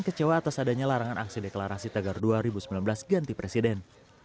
kecewa atas adanya larangan aksi deklarasi tagar dua ribu sembilan belas ganti presiden